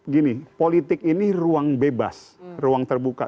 gini politik ini ruang bebas ruang terbuka